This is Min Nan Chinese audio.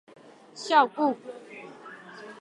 邵武